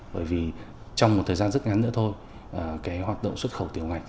bởi vì trong một thời gian rất ngắn nữa thôi cái hoạt động xuất khẩu tiểu ngạch